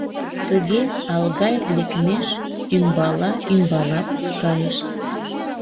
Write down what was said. Тыге Алгай лекмеш ӱмбала-ӱмбалак кайышт.